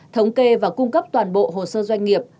thống kê và cung cấp toàn bộ hồ sơ doanh nghiệp